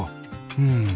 うん。